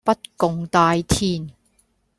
不共戴天